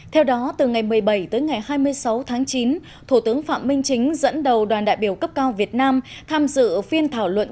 theo đó từ ngày một mươi bảy tới ngày hai mươi sáu tháng chín thủ tướng phạm minh chính dẫn đầu đoàn đại biểu cấp cao việt nam tham dự phiên thảo luận